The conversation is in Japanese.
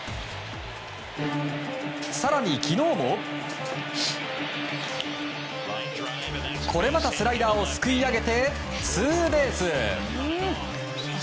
更に、昨日もこれまたスライダーをすくい上げツーベース。